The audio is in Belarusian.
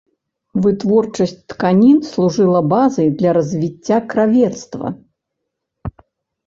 Вытворчасць тканін служыла базай для развіцця кравецтва.